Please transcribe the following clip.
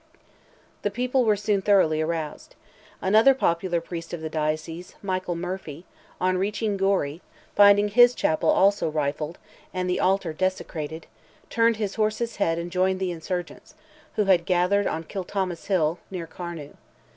The people were soon thoroughly aroused. Another popular priest of the diocese, Michael Murphy, on reaching Gorey, finding his chapel also rifled, and the altar desecrated, turned his horse's head and joined the insurgents, who had gathered on Kilthomas hill, near Carnew.